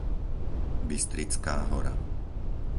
Bystrická hora